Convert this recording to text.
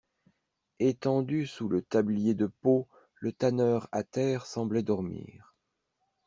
Etendu sous le tablier de peau, le tanneur à terre semblait dormir.